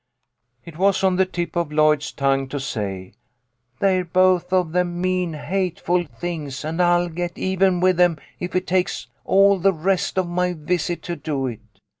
It was on the tip of Lloyd's tongue to say, " They're both of them mean, hateful things, and I'll get even with them if it takes all the rest of my visit to do it."